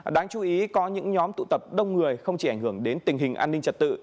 đáng chú ý có những nhóm tụ tập đông người không chỉ ảnh hưởng đến tình hình an ninh trật tự